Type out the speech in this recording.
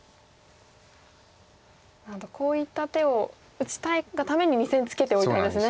こういった手を打ちたいがために２線ツケておいたんですね。